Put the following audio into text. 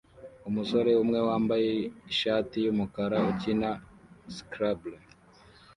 Umusore umwe wambaye ishati yumukara ukina Scrabble